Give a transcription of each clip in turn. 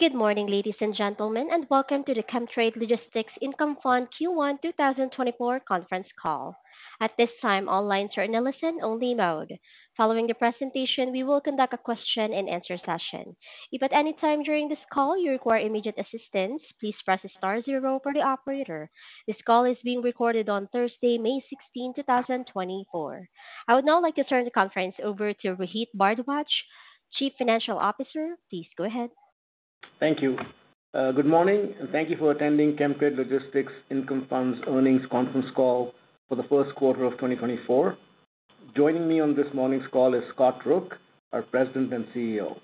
Good morning, ladies and gentlemen, and welcome to the Chemtrade Logistics Income Fund Q1 2024 conference call. At this time, all lines are in listen-only mode. Following the presentation, we will conduct a question-and-answer session. If at any time during this call you require immediate assistance, please press star zero for the operator. This call is being recorded on Thursday, May 16, 2024. I would now like to turn the conference over to Rohit Bhardwaj, Chief Financial Officer. Please go ahead. Thank you. Good morning, and thank you for attending Chemtrade Logistics Income Fund's earnings conference call for the first quarter of 2024. Joining me on this morning's call is Scott Rook, our President and CEO.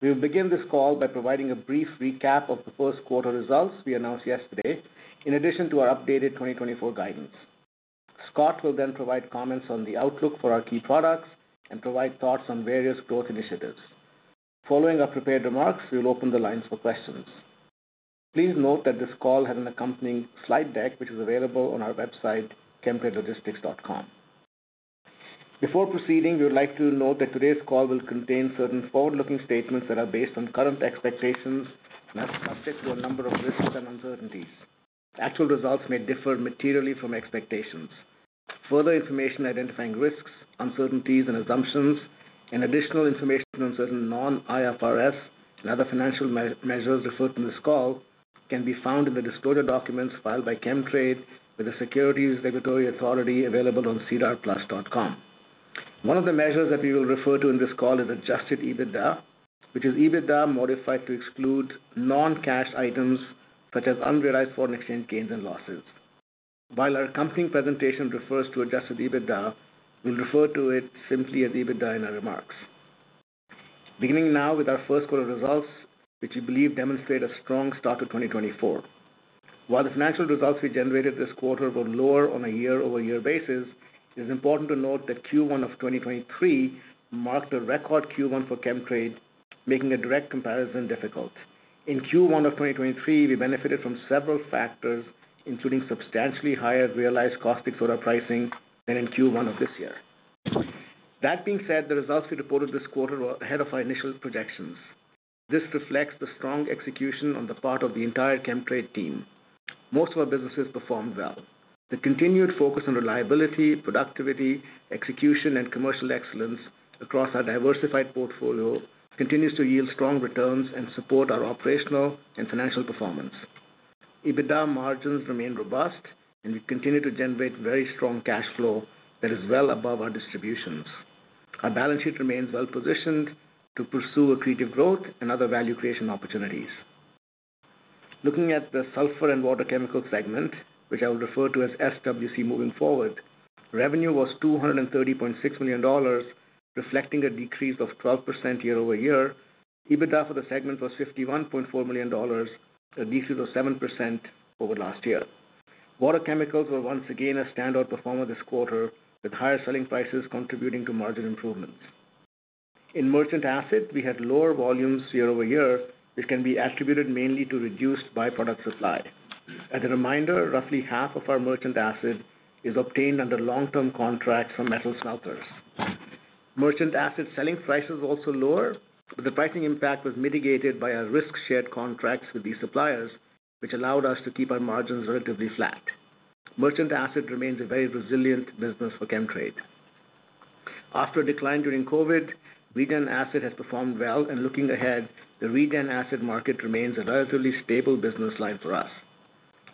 We'll begin this call by providing a brief recap of the first quarter results we announced yesterday, in addition to our updated 2024 guidance. Scott will then provide comments on the outlook for our key products and provide thoughts on various growth initiatives. Following our prepared remarks, we will open the lines for questions. Please note that this call has an accompanying slide deck, which is available on our website, chemtradelogistics.com. Before proceeding, we would like to note that today's call will contain certain forward-looking statements that are based on current expectations and are subject to a number of risks and uncertainties. Actual results may differ materially from expectations. Further information identifying risks, uncertainties, and assumptions, and additional information on certain non-IFRS and other financial measures referred to in this call, can be found in the disclosure documents filed by Chemtrade with the securities regulatory authorities available on SEDAR+ (sedarplus.com). One of the measures that we will refer to in this call is adjusted EBITDA, which is EBITDA modified to exclude non-cash items such as unrealized foreign exchange gains and losses. While our accompanying presentation refers to adjusted EBITDA, we'll refer to it simply as EBITDA in our remarks. Beginning now with our first quarter results, which we believe demonstrate a strong start to 2024. While the financial results we generated this quarter were lower on a year-over-year basis, it is important to note that Q1 of 2023 marked a record Q1 for Chemtrade, making a direct comparison difficult. In Q1 of 2023, we benefited from several factors, including substantially higher realized caustic soda pricing than in Q1 of this year. That being said, the results we reported this quarter were ahead of our initial projections. This reflects the strong execution on the part of the entire Chemtrade team. Most of our businesses performed well. The continued focus on reliability, productivity, execution, and commercial excellence across our diversified portfolio continues to yield strong returns and support our operational and financial performance. EBITDA margins remain robust, and we continue to generate very strong cash flow that is well above our distributions. Our balance sheet remains well positioned to pursue accretive growth and other value creation opportunities. Looking at the Sulphur and Water Chemicals segment, which I will refer to as SWC moving forward, revenue was 230.6 million dollars, reflecting a decrease of 12% year-over-year. EBITDA for the segment was 51.4 million dollars, a decrease of 7% over last year. Water chemicals were once again a standout performer this quarter, with higher selling prices contributing to margin improvements. In merchant acid, we had lower volumes year-over-year, which can be attributed mainly to reduced by-product supply. As a reminder, roughly half of our merchant acid is obtained under long-term contracts from metal smelters. Merchant acid selling price is also lower, but the pricing impact was mitigated by our risk-shared contracts with these suppliers, which allowed us to keep our margins relatively flat. Merchant acid remains a very resilient business for Chemtrade. After a decline during COVID, regen acid has performed well, and looking ahead, the regen acid market remains a relatively stable business line for us.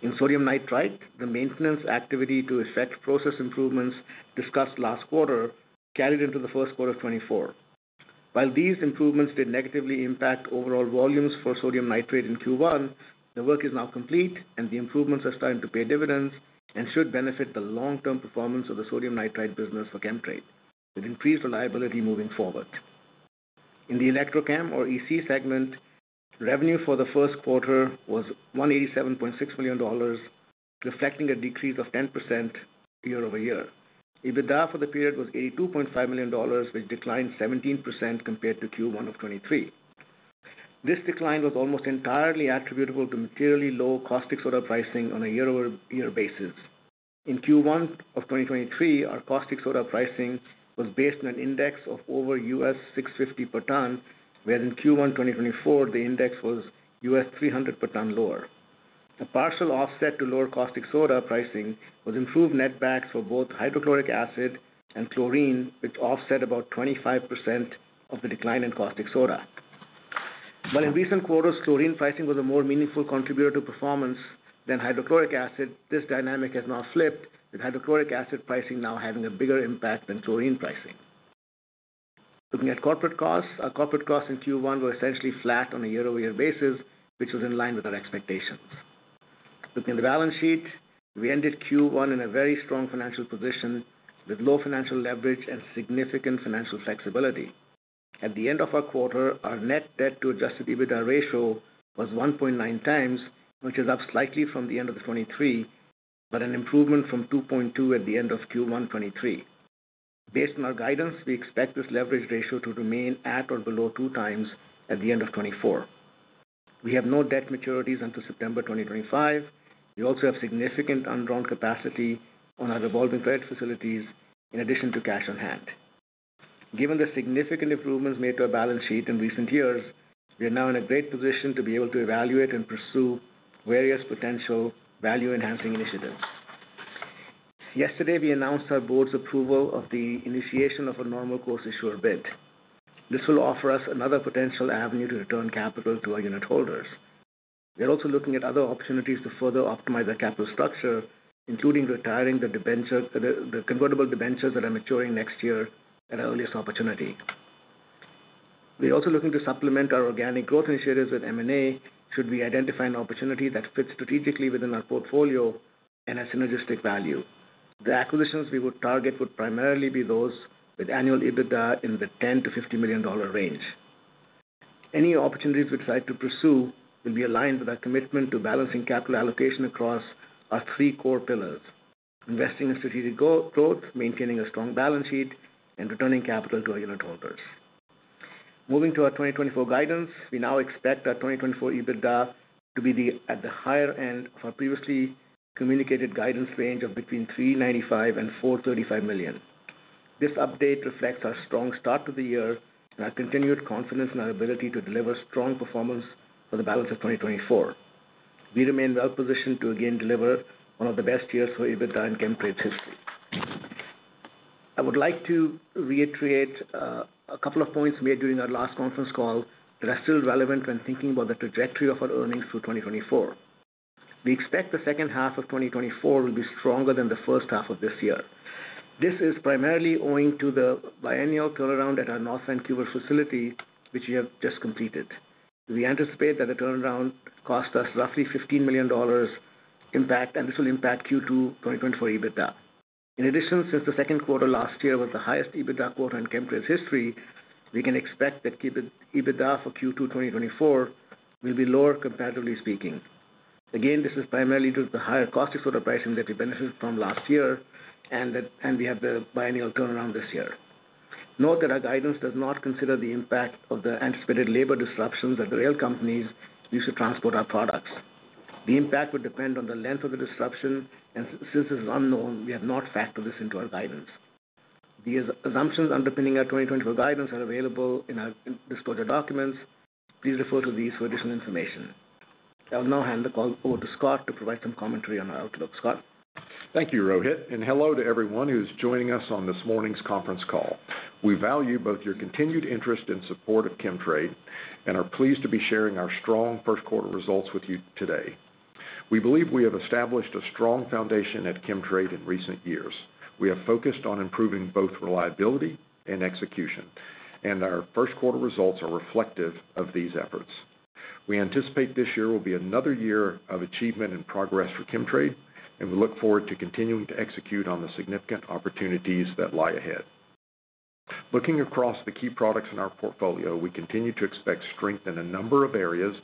In sodium nitrite, the maintenance activity to effect process improvements discussed last quarter carried into the first quarter of 2024. While these improvements did negatively impact overall volumes for sodium nitrite in Q1, the work is now complete and the improvements are starting to pay dividends and should benefit the long-term performance of the sodium nitrite business for Chemtrade, with increased reliability moving forward. In the Electrochem, or EC segment, revenue for the first quarter was 187.6 million dollars, reflecting a decrease of 10% year-over-year. EBITDA for the period was 82.5 million dollars, which declined 17% compared to Q1 of 2023. This decline was almost entirely attributable to materially low caustic soda pricing on a year-over-year basis. In Q1 of 2023, our caustic soda pricing was based on an index of over $650 per ton, whereas in Q1 2024, the index was $300 per ton lower. The partial offset to lower caustic soda pricing was improved netbacks for both hydrochloric acid and chlorine, which offset about 25% of the decline in caustic soda. While in recent quarters, chlorine pricing was a more meaningful contributor to performance than hydrochloric acid, this dynamic has now flipped, with hydrochloric acid pricing now having a bigger impact than chlorine pricing. Looking at corporate costs. Our corporate costs in Q1 were essentially flat on a year-over-year basis, which was in line with our expectations. Looking at the balance sheet, we ended Q1 in a very strong financial position with low financial leverage and significant financial flexibility. At the end of our quarter, our net debt to adjusted EBITDA ratio was 1.9x, which is up slightly from the end of 2023, but an improvement from 2.2x at the end of Q1 2023. Based on our guidance, we expect this leverage ratio to remain at or below 2x at the end of 2024. We have no debt maturities until September 2025. We also have significant undrawn capacity on our revolving credit facilities in addition to cash on hand. Given the significant improvements made to our balance sheet in recent years, we are now in a great position to be able to evaluate and pursue various potential value-enhancing initiatives. Yesterday, we announced our Board's approval of the initiation of a normal course issuer bid. This will offer us another potential avenue to return capital to our unit holders. We are also looking at other opportunities to further optimize our capital structure, including retiring the debentures, the convertible debentures that are maturing next year at our earliest opportunity. We are also looking to supplement our organic growth initiatives with M&A should we identify an opportunity that fits strategically within our portfolio and has synergistic value. The acquisitions we would target would primarily be those with annual EBITDA in the 10 million dollar-CAD50 million range. Any opportunities we decide to pursue will be aligned with our commitment to balancing capital allocation across our three core pillars: investing in strategic go- growth, maintaining a strong balance sheet, and returning capital to our unit holders. Moving to our 2024 guidance, we now expect our 2024 EBITDA to be at the higher end of our previously communicated guidance range of between 395 million and 435 million. This update reflects our strong start to the year and our continued confidence in our ability to deliver strong performance for the balance of 2024. We remain well positioned to again deliver one of the best years for EBITDA in Chemtrade's history. I would like to reiterate a couple of points made during our last conference call that are still relevant when thinking about the trajectory of our earnings through 2024. We expect the second half of 2024 will be stronger than the first half of this year. This is primarily owing to the biennial turnaround at our North Vancouver facility, which we have just completed. We anticipate that the turnaround cost us roughly 15 million dollars impact, and this will impact Q2 2024 EBITDA. In addition, since the second quarter last year was the highest EBITDA quarter in Chemtrade's history, we can expect that EBITDA for Q2 2024 will be lower, comparatively speaking. Again, this is primarily due to the higher caustic soda pricing that we benefited from last year, and that, and we have the biennial turnaround this year. Note that our guidance does not consider the impact of the anticipated labor disruptions at the rail companies used to transport our products. The impact would depend on the length of the disruption, and since this is unknown, we have not factored this into our guidance. The assumptions underpinning our 2024 guidance are available in our disclosure documents. Please refer to these for additional information. I'll now hand the call over to Scott to provide some commentary on our outlook. Scott? Thank you, Rohit, and hello to everyone who's joining us on this morning's conference call. We value both your continued interest and support of Chemtrade, and are pleased to be sharing our strong first quarter results with you today. We believe we have established a strong foundation at Chemtrade in recent years. We have focused on improving both reliability and execution, and our first quarter results are reflective of these efforts. We anticipate this year will be another year of achievement and progress for Chemtrade, and we look forward to continuing to execute on the significant opportunities that lie ahead. Looking across the key products in our portfolio, we continue to expect strength in a number of areas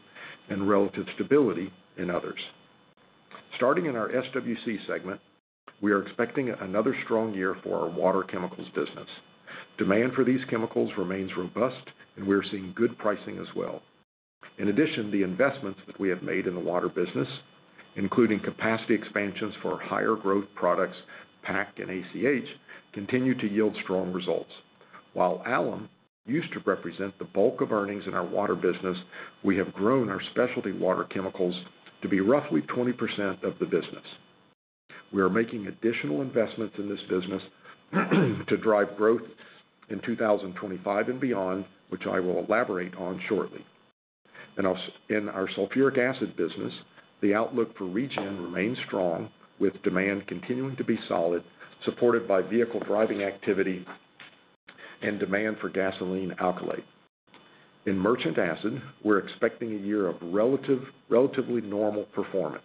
and relative stability in others. Starting in our SWC segment, we are expecting another strong year for our water chemicals business. Demand for these chemicals remains robust, and we're seeing good pricing as well. In addition, the investments that we have made in the water business, including capacity expansions for higher growth products, PAC and ACH, continue to yield strong results. While alum used to represent the bulk of earnings in our water business, we have grown our specialty water chemicals to be roughly 20% of the business. We are making additional investments in this business, to drive growth in 2025 and beyond, which I will elaborate on shortly. In our sulphuric acid business, the outlook for the region remains strong, with demand continuing to be solid, supported by vehicle driving activity and demand for gasoline alkylate. In merchant acid, we're expecting a year of relatively normal performance.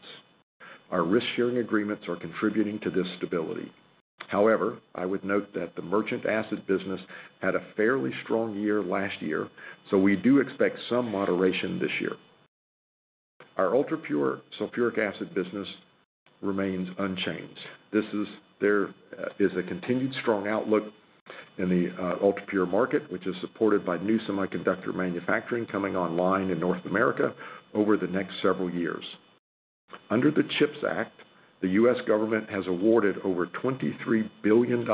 Our risk-sharing agreements are contributing to this stability. However, I would note that the merchant acid business had a fairly strong year last year, so we do expect some moderation this year. Our ultrapure sulphuric acid business remains unchanged. This is a continued strong outlook in the ultrapure market, which is supported by new semiconductor manufacturing coming online in North America over the next several years. Under the CHIPS Act, the U.S. government has awarded over $23 billion in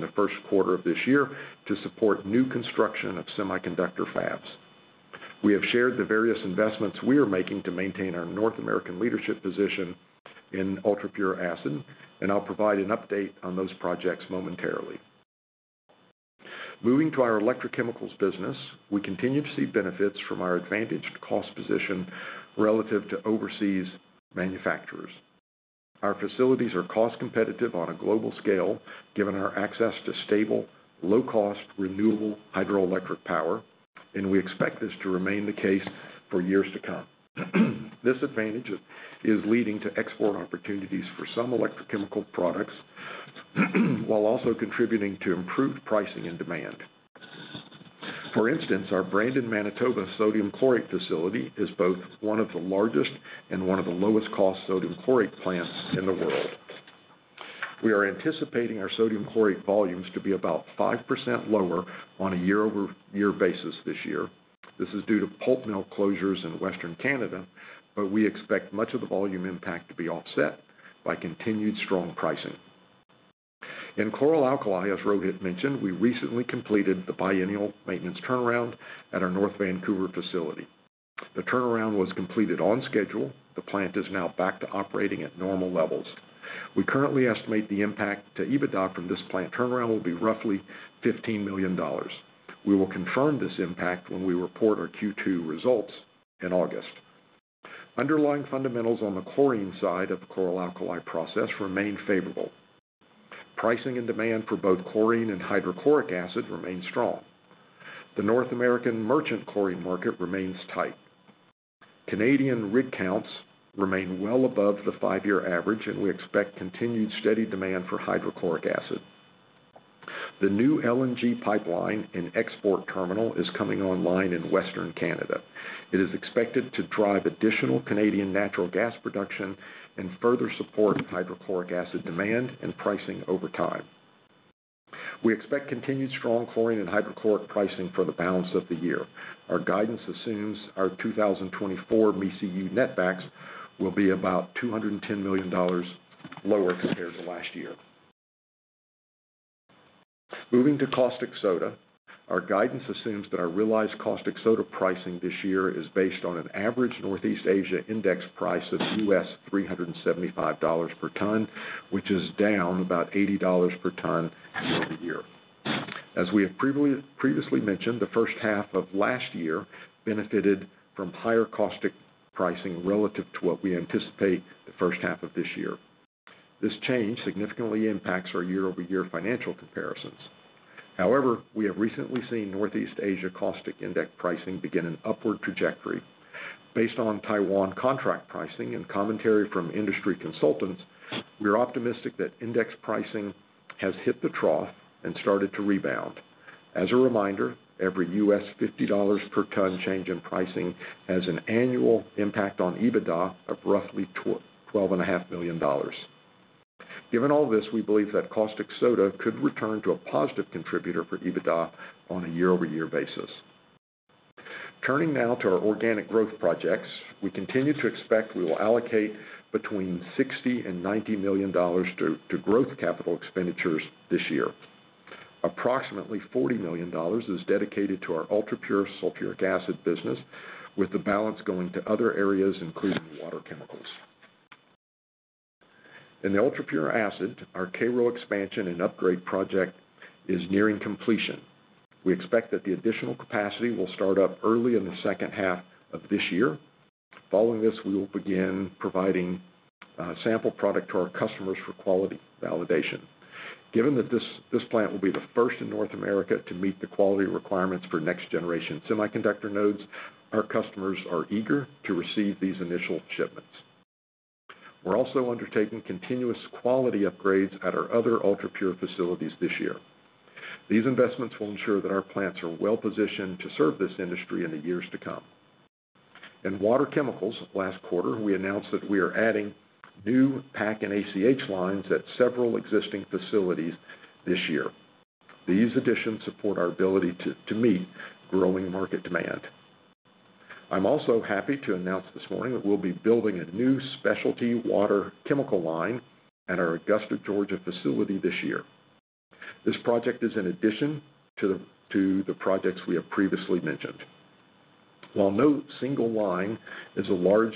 the first quarter of this year to support new construction of semiconductor fabs. We have shared the various investments we are making to maintain our North American leadership position in ultrapure acid, and I'll provide an update on those projects momentarily. Moving to our Electrochemicals business, we continue to see benefits from our advantaged cost position relative to overseas manufacturers. Our facilities are cost competitive on a global scale, given our access to stable, low-cost, renewable hydroelectric power, and we expect this to remain the case for years to come. This advantage is leading to export opportunities for some Electrochemical products, while also contributing to improved pricing and demand. For instance, our Brandon, Manitoba, sodium chlorate facility is both one of the largest and one of the lowest-cost sodium chlorate plants in the world. We are anticipating our sodium chlorate volumes to be about 5% lower on a year-over-year basis this year. This is due to pulp mill closures in Western Canada, but we expect much of the volume impact to be offset by continued strong pricing. In chlor-alkali, as Rohit mentioned, we recently completed the biennial maintenance turnaround at our North Vancouver facility. The turnaround was completed on schedule. The plant is now back to operating at normal levels. We currently estimate the impact to EBITDA from this plant turnaround will be roughly 15 million dollars. We will confirm this impact when we report our Q2 results in August. Underlying fundamentals on the chlorine side of the chlor-alkali process remain favorable. Pricing and demand for both chlorine and hydrochloric acid remain strong. The North American merchant chlorine market remains tight. Canadian rig counts remain well above the five-year average, and we expect continued steady demand for hydrochloric acid. The new LNG pipeline and export terminal is coming online in Western Canada. It is expected to drive additional Canadian natural gas production and further support hydrochloric acid demand and pricing over time. We expect continued strong chlorine and hydrochloric pricing for the balance of the year. Our guidance assumes our 2024 MECU netbacks will be about 210 million dollars lower compared to last year. Moving to caustic soda, our guidance assumes that our realized caustic soda pricing this year is based on an average Northeast Asia Index price of U.S. $375 per ton, which is down about $80 per ton year-over-year. As we have previously mentioned, the first half of last year benefited from higher caustic pricing relative to what we anticipate the first half of this year. This change significantly impacts our year-over-year financial comparisons. However, we have recently seen Northeast Asia caustic index pricing begin an upward trajectory. Based on Taiwan contract pricing and commentary from industry consultants, we are optimistic that index pricing has hit the trough and started to rebound. As a reminder, every $50 per ton change in pricing has an annual impact on EBITDA of roughly 12.5 million dollars. Given all this, we believe that caustic soda could return to a positive contributor for EBITDA on a year-over-year basis. Turning now to our organic growth projects, we continue to expect we will allocate between 60 million and 90 million dollars to growth capital expenditures this year. Approximately 40 million dollars is dedicated to our ultrapure sulphuric acid business, with the balance going to other areas, including water chemicals. In the ultrapure acid, our Cairo expansion and upgrade project is nearing completion. We expect that the additional capacity will start up early in the second half of this year. Following this, we will begin providing sample product to our customers for quality validation. Given that this plant will be the first in North America to meet the quality requirements for next-generation semiconductor nodes, our customers are eager to receive these initial shipments. We're also undertaking continuous quality upgrades at our other ultrapure facilities this year. These investments will ensure that our plants are well positioned to serve this industry in the years to come. In water chemicals, last quarter, we announced that we are adding new PAC and ACH lines at several existing facilities this year. These additions support our ability to meet growing market demand. I'm also happy to announce this morning that we'll be building a new specialty water chemical line at our Augusta, Georgia, facility this year. This project is in addition to the projects we have previously mentioned. While no single line is a large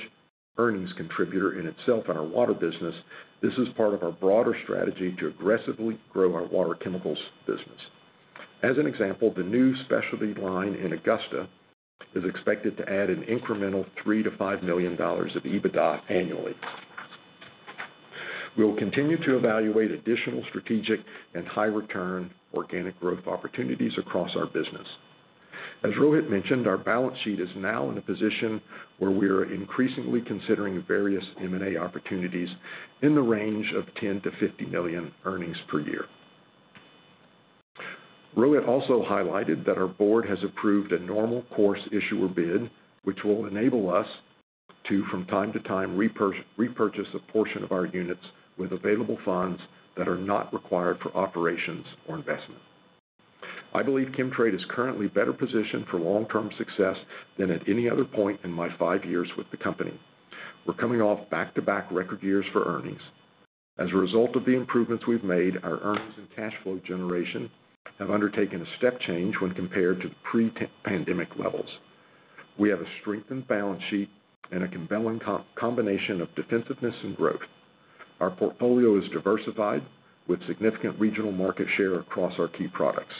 earnings contributor in itself in our water business, this is part of our broader strategy to aggressively grow our water chemicals business. As an example, the new specialty line in Augusta is expected to add an incremental 3 million-5 million dollars of EBITDA annually. We will continue to evaluate additional strategic and high-return organic growth opportunities across our business. As Rohit mentioned, our balance sheet is now in a position where we are increasingly considering various M&A opportunities in the range of 10 million-50 million earnings per year. Rohit also highlighted that our Board has approved a normal course issuer bid, which will enable us to, from time to time, repurchase a portion of our units with available funds that are not required for operations or investment. I believe Chemtrade is currently better positioned for long-term success than at any other point in my five years with the company. We're coming off back-to-back record years for earnings. As a result of the improvements we've made, our earnings and cash flow generation have undertaken a step change when compared to pre-pandemic levels. We have a strengthened balance sheet and a compelling combination of defensiveness and growth. Our portfolio is diversified, with significant regional market share across our key products.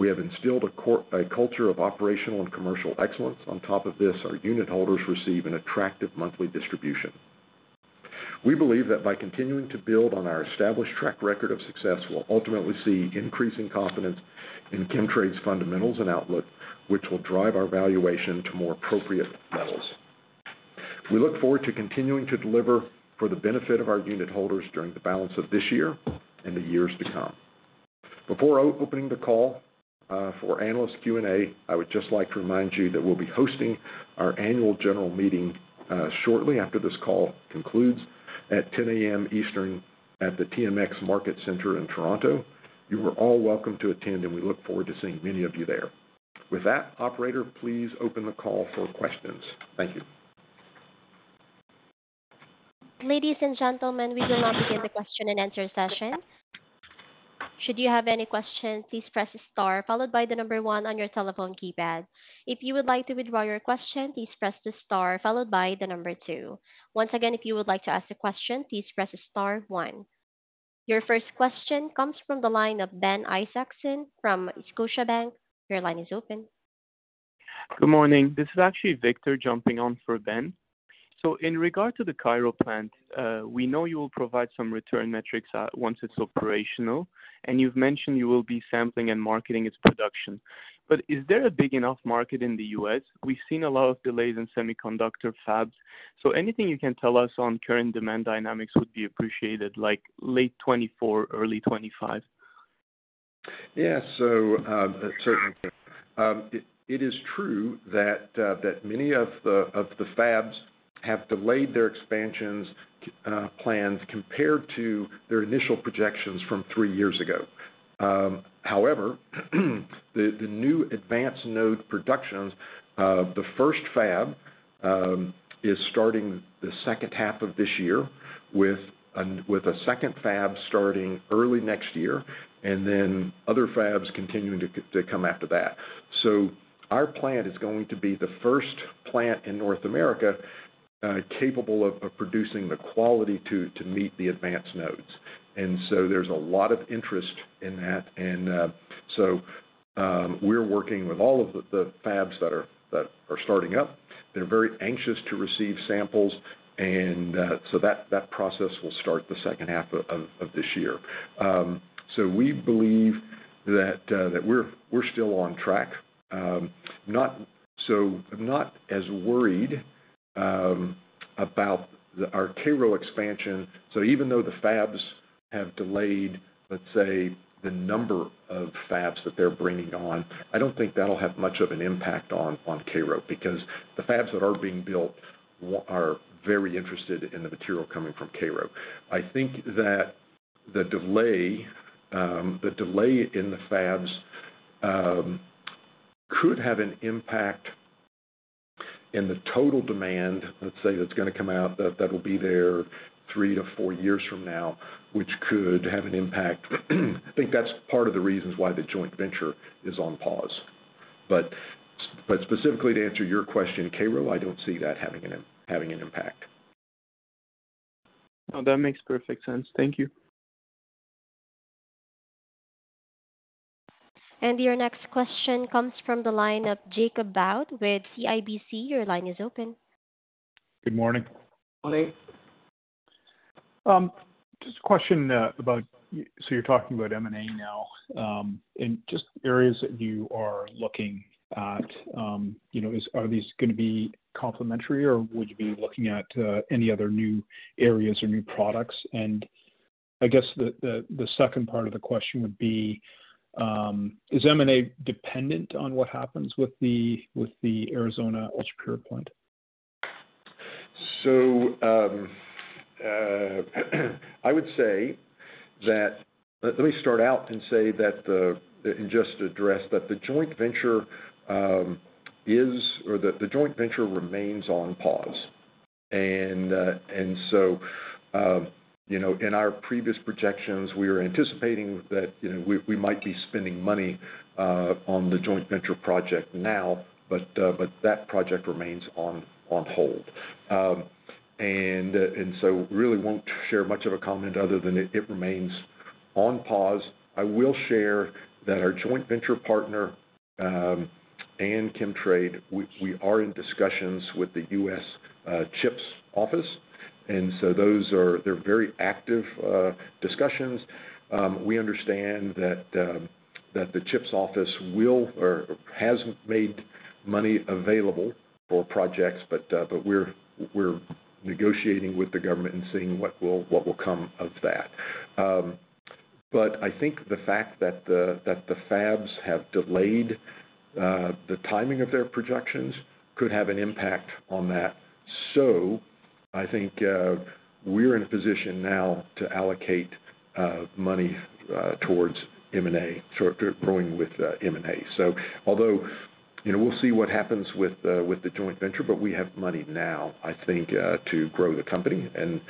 We have instilled a core culture of operational and commercial excellence. On top of this, our unitholders receive an attractive monthly distribution. We believe that by continuing to build on our established track record of success, we'll ultimately see increasing confidence in Chemtrade's fundamentals and outlook, which will drive our valuation to more appropriate levels. We look forward to continuing to deliver for the benefit of our unitholders during the balance of this year and the years to come. Before opening the call for analyst Q&A, I would just like to remind you that we'll be hosting our Annual General Meeting shortly after this call concludes at 10:00 A.M. Eastern at the TMX Market Centre in Toronto. You are all welcome to attend, and we look forward to seeing many of you there. With that, operator, please open the call for questions. Thank you. Ladies and gentlemen, we will now begin the question-and-answer session. Should you have any questions, please press star followed by the number one on your telephone keypad. If you would like to withdraw your question, please press the star followed by the number two. Once again, if you would like to ask a question, please press star one. Your first question comes from the line of Ben Isaacson from Scotiabank. Your line is open. Good morning. This is actually Victor jumping on for Ben. So in regard to the Cairo plant, we know you will provide some return metrics, once it's operational, and you've mentioned you will be sampling and marketing its production. But is there a big enough market in the U.S.? We've seen a lot of delays in semiconductor fabs. So anything you can tell us on current demand dynamics would be appreciated, like late 2024, early 2025. Yeah. So, certainly. It is true that many of the fabs have delayed their expansions plans compared to their initial projections from three years ago. However, the new advanced node productions, the first fab, is starting the second half of this year, with a second fab starting early next year, and then other fabs continuing to come after that. So our plant is going to be the first plant in North America, capable of producing the quality to meet the advanced nodes. And so there's a lot of interest in that, and so we're working with all of the fabs that are starting up. They're very anxious to receive samples, and so that process will start the second half of this year. So we believe that we're still on track. Not as worried about our Cairo expansion. So even though the fabs have delayed, let's say, the number of fabs that they're bringing on, I don't think that'll have much of an impact on Cairo, because the fabs that are being built are very interested in the material coming from Cairo. I think that the delay in the fabs could have an impact on the total demand, let's say, that's gonna come out, that will be there three to four years from now, which could have an impact. I think that's part of the reasons why the joint venture is on pause. But specifically to answer your question, Cairo, I don't see that having an impact. No, that makes perfect sense. Thank you. Your next question comes from the line of Jacob Bout with CIBC. Your line is open. Good morning. Morning. Just a question about... So you're talking about M&A now, and just areas that you are looking at. You know, are these gonna be complementary, or would you be looking at any other new areas or new products? And I guess the second part of the question would be: Is M&A dependent on what happens with the Arizona ultrapure plant? So, I would say that. Let me start out and say that, and just address that the joint venture is, or the joint venture remains on pause. And so, you know, in our previous projections, we were anticipating that, you know, we might be spending money on the joint venture project now, but that project remains on hold. And so really won't share much of a comment other than it remains on pause. I will share that our joint venture partner and Chemtrade, we are in discussions with the U.S. CHIPS office, and so those are, they're very active discussions. We understand that the CHIPS office will or has made money available for projects, but we're negotiating with the government and seeing what will come of that. But I think the fact that the fabs have delayed the timing of their projections could have an impact on that. So I think we're in a position now to allocate money towards M&A, so growing with M&A. So although, you know, we'll see what happens with the joint venture, but we have money now, I think to grow the company. And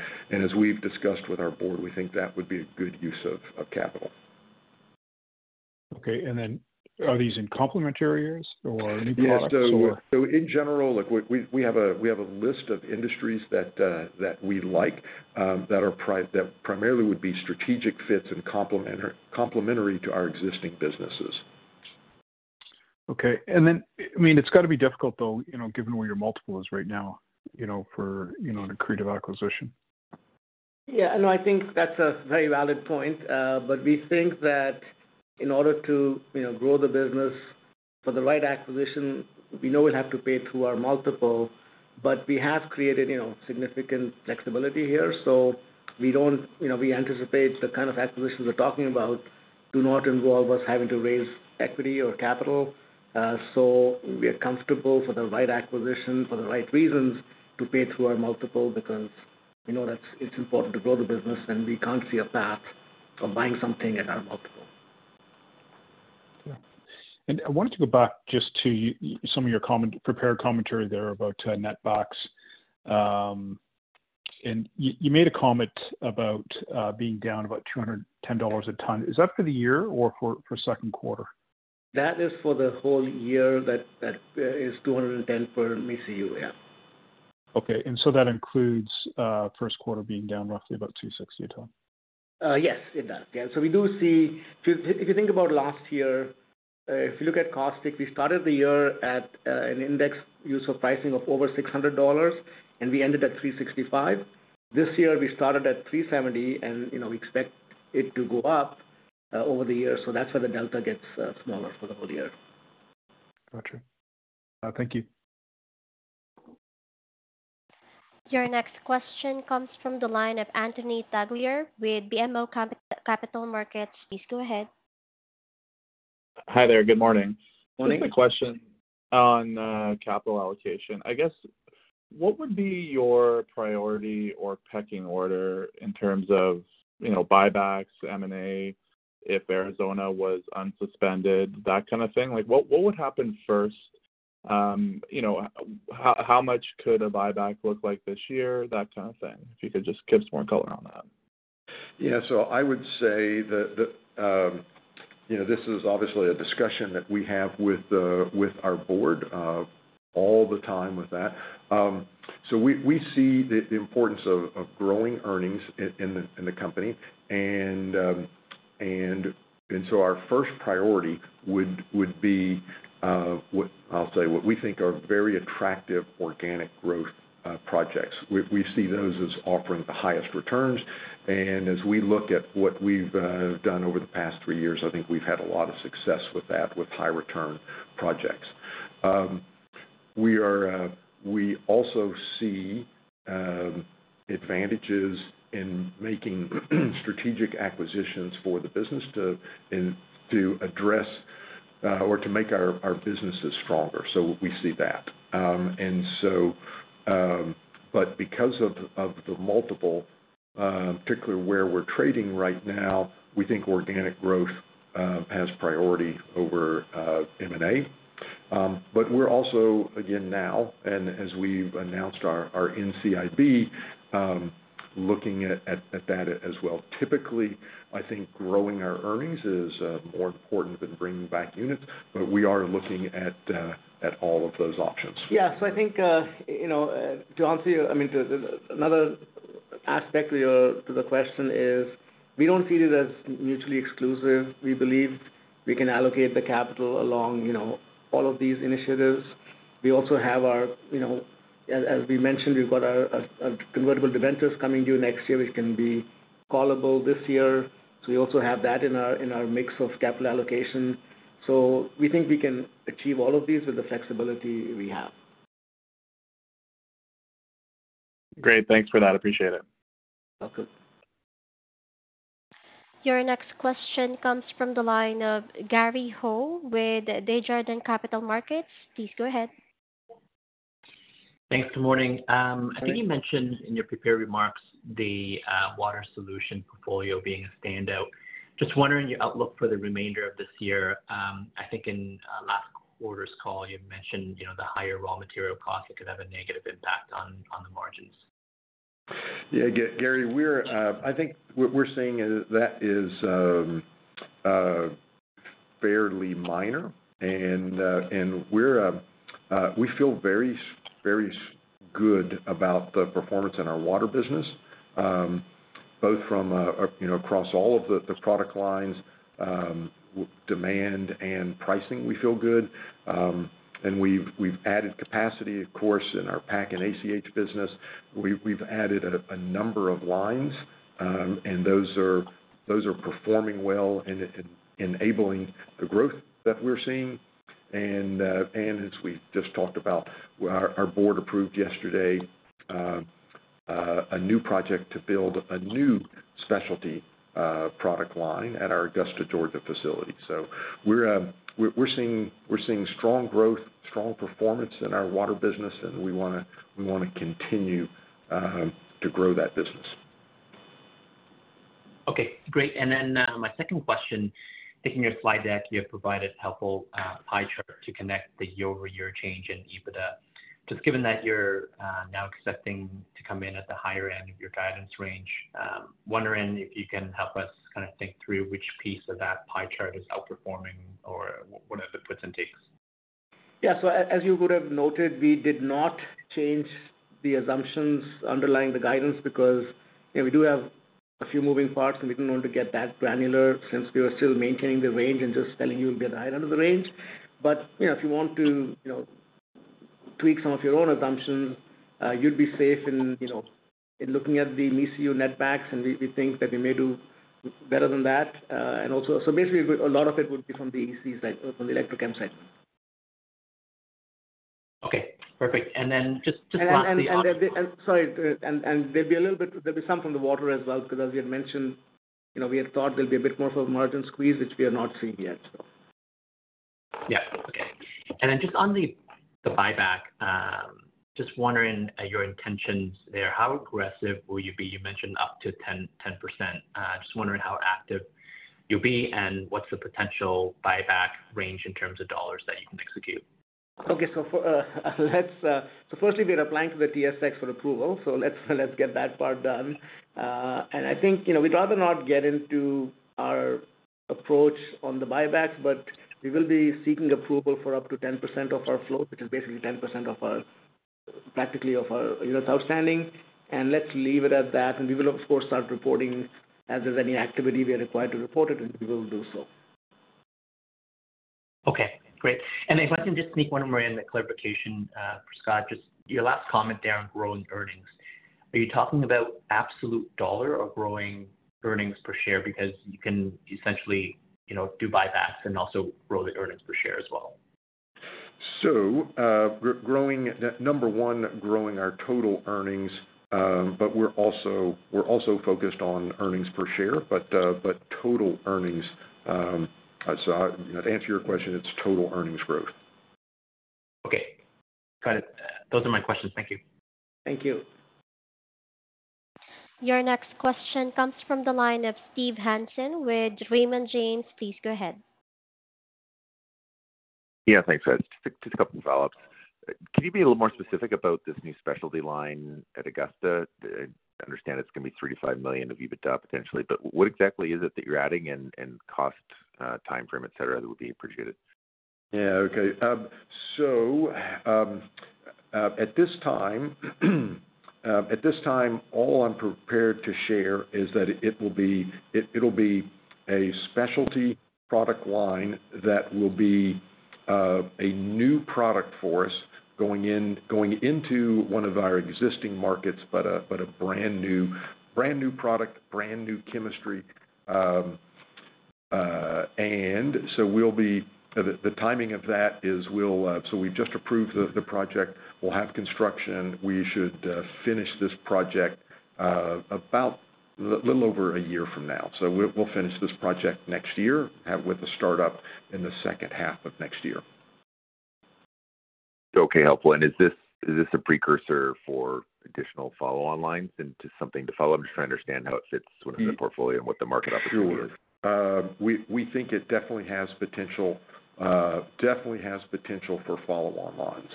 as we've discussed with our Board, we think that would be a good use of capital. Okay, and then are these in complementary areas or any products or? Yes. So in general, like we have a list of industries that we like that are primarily strategic fits and complementary to our existing businesses. Okay, and then, I mean, it's got to be difficult, though, you know, given where your multiple is right now, you know, for, you know, an accretive acquisition. Yeah, no, I think that's a very valid point. But we think that in order to, you know, grow the business for the right acquisition, we know we'll have to pay through our multiple, but we have created, you know, significant flexibility here. So we don't, you know, we anticipate the kind of acquisitions we're talking about do not involve us having to raise equity or capital. So we are comfortable for the right acquisition, for the right reasons, to pay through our multiple, because we know that's, it's important to grow the business, and we can't see a path for buying something at our multiple. Yeah. I wanted to go back just to some of your comment, prepared commentary there about netbacks. And you made a comment about being down about 210 dollars a ton. Is that for the year or for second quarter? That is for the whole year, that is 210 per MECU, yeah. Okay. And so that includes, first quarter being down roughly about 260 a ton? Yes, it does. Yeah. So we do see if you think about last year, if you look at caustic, we started the year at an index use of pricing of over 600 dollars, and we ended at 365. This year, we started at 370, and, you know, we expect it to go up over the year. So that's why the delta gets smaller for the whole year. Got you. Thank you. Your next question comes from the line of Anthony Taglieri with BMO Capital Markets. Please go ahead. Hi there. Good morning. Morning. A question on capital allocation. I guess, what would be your priority or pecking order in terms of, you know, buybacks, M&A, if Arizona was unsuspended, that kind of thing? Like, what would happen first? You know, how much could a buyback look like this year? That kind of thing. If you could just give us more color on that. Yeah. So I would say that, you know, this is obviously a discussion that we have with, with our Board, all the time with that. So we see the importance of growing earnings in the company. And so our first priority would be what... I'll tell you, what we think are very attractive organic growth projects. We see those as offering the highest returns. And as we look at what we've done over the past three years, I think we've had a lot of success with that, with high return projects. We are, we also see advantages in making strategic acquisitions for the business to, and to address, or to make our businesses stronger. So we see that. Because of the multiple, particularly where we're trading right now, we think organic growth has priority over M&A. But we're also, again, now, and as we've announced our NCIB, looking at that as well. Typically, I think growing our earnings is more important than bringing back units, but we are looking at all of those options. Yeah. So I think, you know, to answer you, I mean, another aspect to your, to the question is, we don't see it as mutually exclusive. We believe we can allocate the capital along, you know, all of these initiatives. We also have our, you know, as, as we mentioned, we've got our, convertible debentures coming due next year, which can be callable this year. So we also have that in our, in our mix of capital allocation. So we think we can achieve all of these with the flexibility we have. Great. Thanks for that. Appreciate it. Welcome. Your next question comes from the line of Gary Ho with Desjardins Capital Markets. Please go ahead. Thanks. Good morning. Good morning. I think you mentioned in your prepared remarks the water solution portfolio being a standout. Just wondering your outlook for the remainder of this year? I think in last quarter's call, you mentioned, you know, the higher raw material costs, it could have a negative impact on the margins. Yeah, Gary, we're, I think what we're saying is that is fairly minor, and, and we're, we feel very, very good about the performance in our water business, both from, you know, across all of the, the product lines, demand and pricing, we feel good. And we've, we've added capacity, of course, in our PAC and ACH business. We've, we've added a number of lines, and those are, those are performing well and enabling the growth that we're seeing. And, and as we just talked about, our, our Board approved yesterday a new project to build a new specialty product line at our Augusta, Georgia facility. So we're seeing strong growth, strong performance in our water business, and we wanna continue to grow that business. Okay, great. And then, my second question, taking your slide deck, you have provided a helpful pie chart to connect the year-over-year change in EBITDA. Just given that you're now accepting to come in at the higher end of your guidance range, wondering if you can help us kind of think through which piece of that pie chart is outperforming or what are the puts and takes? Yeah. So as you would have noted, we did not change the assumptions underlying the guidance because, you know, we do have a few moving parts, and we didn't want to get that granular since we are still maintaining the range and just telling you we'll get higher end of the range. But, you know, if you want to, you know, tweak some of your own assumptions, you'd be safe in, you know, in looking at the minimum netbacks, and we, we think that we may do better than that. And also, so basically, a lot of it would be from the EC side, from the Electrochemical side. Okay, perfect. Then just. Sorry, there'd be a little bit, there'd be some from the water as well, because as we had mentioned, you know, we had thought there'd be a bit more of a margin squeeze, which we are not seeing yet, so. Yeah. Okay. And then just on the buyback, just wondering your intentions there. How aggressive will you be? You mentioned up to 10%. Just wondering how active you'll be and what's the potential buyback range in terms of dollars that you can execute? Okay. So firstly, we're applying to the TSX for approval, so let's get that part done. And I think, you know, we'd rather not get into our approach on the buybacks, but we will be seeking approval for up to 10% of our float, which is basically 10% of our, practically of our units outstanding. And let's leave it at that, and we will, of course, start reporting as there's any activity we are required to report it, and we will do so. Okay, great. If I can just sneak one more in, a clarification, for Scott, just your last comment there on growing earnings. Are you talking about absolute dollar or growing earnings per share? Because you can essentially, you know, do buybacks and also grow the earnings per share as well. So, growing, number one, growing our total earnings, but we're also, we're also focused on earnings per share, but, but total earnings, so to answer your question, it's total earnings growth. Okay. Got it. Those are my questions. Thank you. Thank you. Your next question comes from the line of Steve Hansen with Raymond James. Please go ahead. Yeah, thanks. Just, just a couple of follow-ups. Can you be a little more specific about this new specialty line at Augusta? I understand it's gonna be 3 million-5 million of EBITDA, potentially, but what exactly is it that you're adding and, and cost, timeframe, et cetera, that would be appreciated. Yeah, okay. So, at this time, all I'm prepared to share is that it will be, it'll be a specialty product line that will be a new product for us, going into one of our existing markets, but a brand-new product, brand new chemistry. And so we'll be... The timing of that is, so we've just approved the project. We'll have construction. We should finish this project about little over a year from now. So we'll finish this project next year, with the start up in the second half of next year. Okay, helpful. And is this, is this a precursor for additional follow-on lines into something to follow? I'm just trying to understand how it fits within the portfolio and what the market opportunity is. Sure. We think it definitely has potential, definitely has potential for follow-on lines.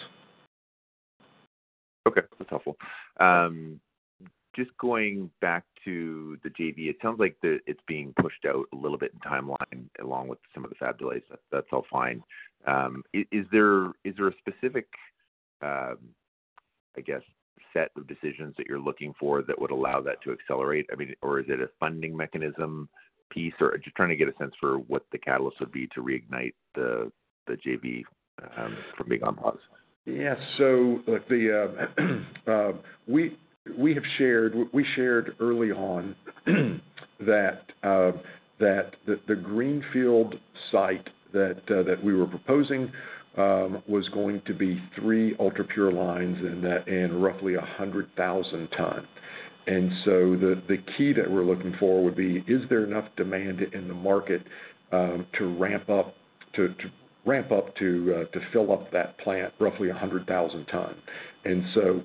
Okay, that's helpful. Just going back to the JV, it sounds like the, it's being pushed out a little bit in timeline, along with some of the fab delays. That's all fine. Is there, is there a specific, I guess, set of decisions that you're looking for that would allow that to accelerate? I mean, or is it a funding mechanism piece, or just trying to get a sense for what the catalyst would be to reignite the, the JV, from being on pause? Yeah. So look, we have shared early on that the greenfield site that we were proposing was going to be three ultrapure lines and roughly 100,000 ton. And so the key that we're looking for would be, is there enough demand in the market to ramp up to fill up that plant, roughly 100,000 ton? So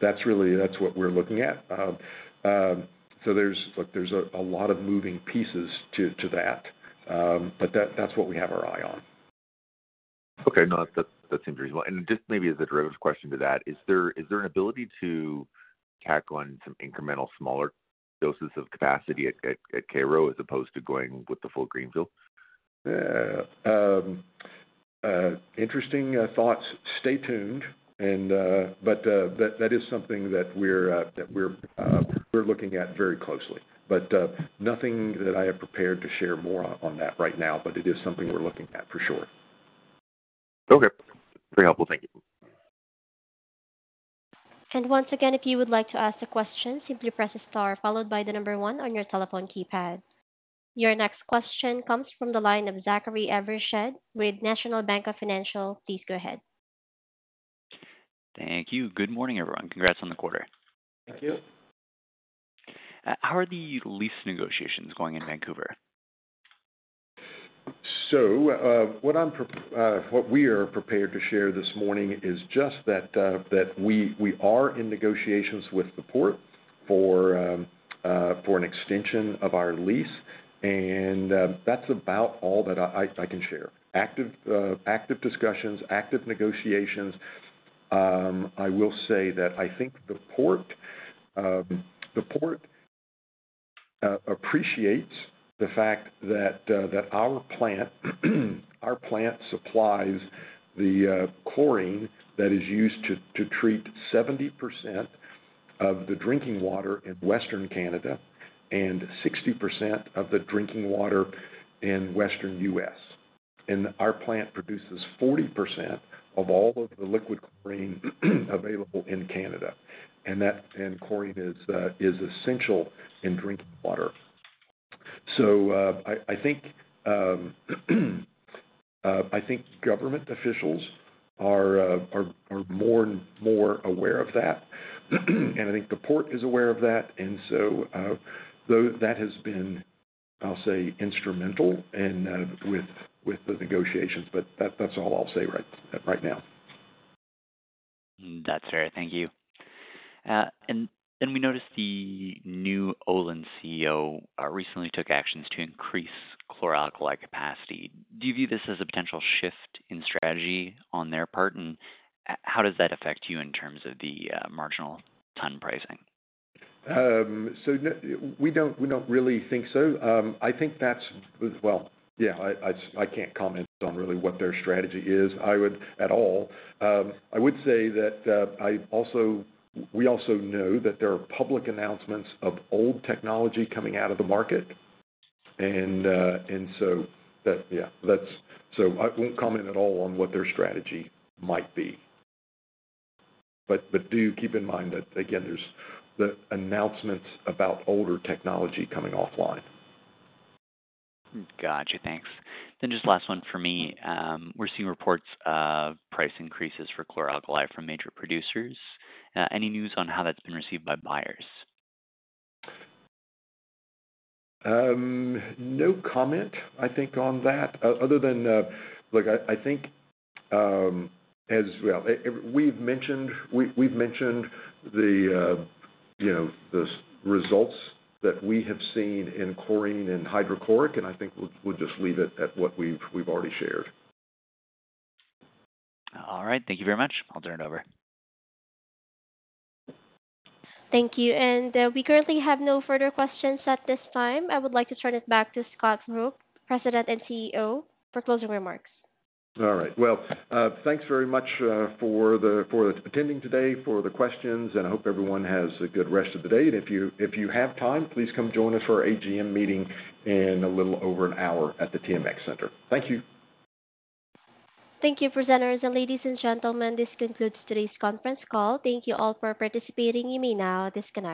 that's really, that's what we're looking at. So there's, look, there's a lot of moving pieces to that, but that's what we have our eye on. Okay. No, that seems reasonable. And just maybe as a derivative question to that, is there an ability to tack on some incremental smaller doses of capacity at Cairo as opposed to going with the full greenfield? Interesting thoughts. Stay tuned, and... But, that is something that we're looking at very closely. But, nothing that I am prepared to share more on that right now, but it is something we're looking at for sure. Okay. Very helpful. Thank you. Once again, if you would like to ask a question, simply press star, followed by the number one on your telephone keypad. Your next question comes from the line of Zachary Evershed with National Bank Financial. Please go ahead. Thank you. Good morning, everyone. Congrats on the quarter. Thank you. How are the lease negotiations going in Vancouver? So, what we are prepared to share this morning is just that, that we are in negotiations with the port for an extension of our lease, and that's about all that I can share. Active discussions, active negotiations. I will say that I think the port appreciates the fact that our plant supplies the chlorine that is used to treat 70% of the drinking water in Western Canada and 60% of the drinking water in Western U.S. And our plant produces 40% of all of the liquid chlorine available in Canada. And that, and chlorine is essential in drinking water. So, I think government officials are more and more aware of that. And I think the port is aware of that, and so, though that has been, I'll say, instrumental in with the negotiations, but that's all I'll say right now. That's fair. Thank you. And we noticed the new Olin CEO recently took actions to increase chlor-alkali capacity. Do you view this as a potential shift in strategy on their part? And how does that affect you in terms of the marginal ton pricing? So we don't, we don't really think so. I think that's, well, yeah, I can't comment on really what their strategy is at all. I would say that we also know that there are public announcements of old technology coming out of the market. And so that, yeah, that's so I won't comment at all on what their strategy might be. But do keep in mind that, again, there's the announcements about older technology coming offline. Got you. Thanks. Then just last one for me. We're seeing reports of price increases for chlor-alkali from major producers. Any news on how that's been received by buyers? No comment, I think, on that. Other than, look, I think, as well, we've mentioned, you know, the results that we have seen in chlorine and hydrochloric, and I think we'll just leave it at what we've already shared. All right. Thank you very much. I'll turn it over. Thank you. And, we currently have no further questions at this time. I would like to turn it back to Scott Rook, President and CEO, for closing remarks. All right. Well, thanks very much for attending today, for the questions, and I hope everyone has a good rest of the day. If you have time, please come join us for our AGM meeting in a little over an hour at the TMX Center. Thank you. Thank you, presenters, and ladies and gentlemen, this concludes today's conference call. Thank you all for participating. You may now disconnect.